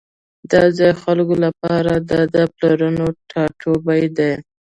د ځایی خلکو لپاره دا د پلرونو ټاټوبی دی